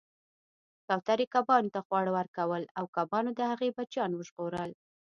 کوترې کبانو ته خواړه ورکول او کبانو د هغې بچیان وژغورل